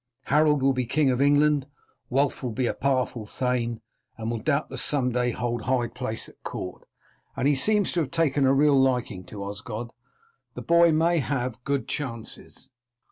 Harold will be King of England, Wulf will be a powerful thane, and will doubtless some day hold high place at court, and as he seems to have taken a real liking to Osgod, the boy may have good chances.